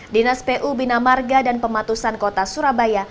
dinas pu bina marga dan pematusan kota surabaya